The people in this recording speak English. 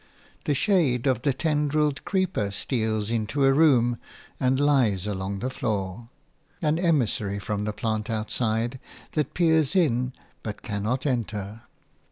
The shade of the tendrilled creeper steals into a room and lies along the floor, an emissary from the plant outside that peers in but cannot enter.